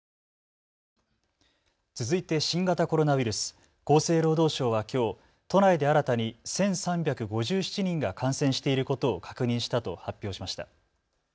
続いて新型コロナウイルス、厚生労働省はきょう都内で新たに１３５７人が感染していることを確認したと発表しました。